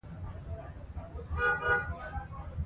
ازادي راډیو د بهرنۍ اړیکې په اړه د حقایقو پر بنسټ راپور خپور کړی.